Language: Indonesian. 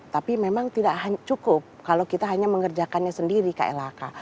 tapi memang tidak cukup kalau kita hanya mengerjakannya sendiri klhk